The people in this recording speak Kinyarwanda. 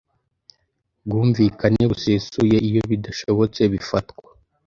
bwumvikane busesuye Iyo bidashobotse bifatwa